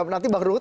nanti bang luhut